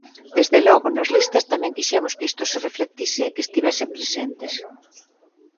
Desde logo nas listas tamén quixemos que isto se reflectise e que estivesen presentes.